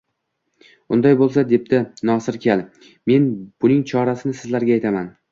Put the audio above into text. Unday bo‘lsa, debdi Nosir kal, men buning chorasini sizlarga aytaman